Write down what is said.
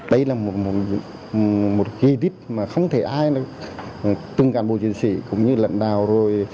đây là một kỳ tích mà không thể ai tương cản bộ chiến sĩ cũng như lãnh đạo rồi